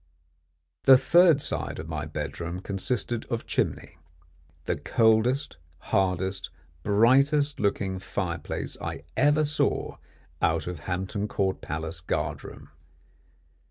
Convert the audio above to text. The third side of my bedroom consisted of chimney the coldest, hardest, brightest looking fire place I ever saw out of Hampton Court Palace guardroom.